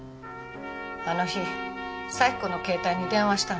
あの日咲子の携帯に電話したの。